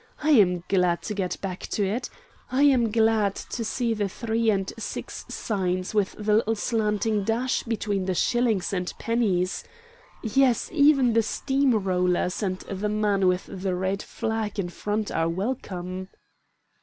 I am glad to get back to it I am glad to see the three and six signs with the little slanting dash between the shillings and pennies. Yes, even the steam rollers and the man with the red flag in front are welcome."